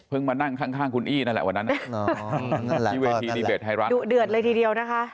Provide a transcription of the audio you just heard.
เพิ่งมานั่งข้างคุณอี้นั่นแหละวันนั้นที่เวทีนิเบสไฮรักษณ์